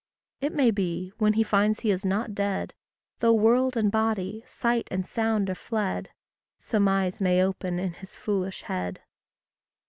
It may be, when he finds he is not dead, Though world and body, sight and sound are fled, Some eyes may open in his foolish head.